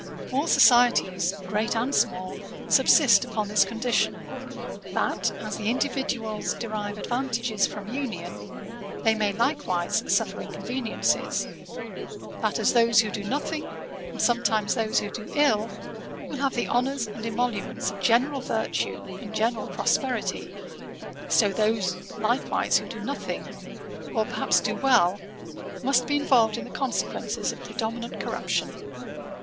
All societies, great and small, subsist upon this condition; that as the individuals derive advantages from union, they may likewise suffer inconveniences; that as those who do nothing, and sometimes those who do ill, will have the honours and emoluments of general virtue and general prosperity, so those likewise who do nothing, or perhaps do well, must be involved in the consequences of predominant corruption.'